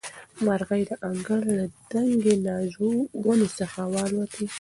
مرغۍ د انګړ له دنګې ناجو ونې څخه والوتې.